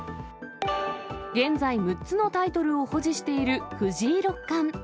現在、６つのタイトルを保持している藤井六冠。